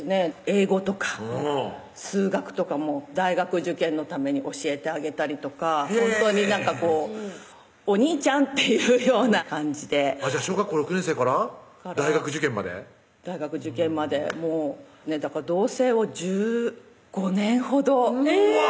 英語とか数学とかも大学受験のために教えてあげたりとかほんとにお兄ちゃんっていうような感じでじゃあ小学校６年生から大学受験まで大学受験までもう同棲を１５年ほどうわ！